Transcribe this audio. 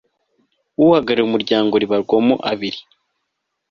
uhagarariye umuryango ribarwamo abiri